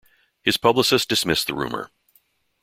His publicist dismissed the rumor.